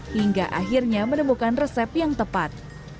hingga akhirnya menemukan resep yang tepat